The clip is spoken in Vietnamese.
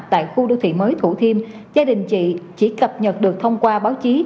tại khu đô thị mới thủ thiêm gia đình chị chỉ cập nhật được thông qua báo chí